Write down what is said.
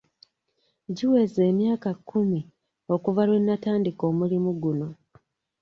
Giweze emyaka kkumi okuva lwe natandika mulimu guno.